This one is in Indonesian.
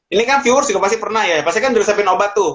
ini kan viewers juga pasti pernah ya pasti kan diresapin obat tuh